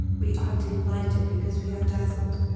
We are delighted because we are dazzled.